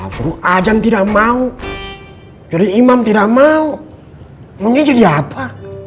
ajan tidak mau dari imam tidak mau mungkin jadi apa